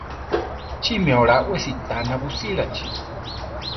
Chí mi olá we sitána busílachi?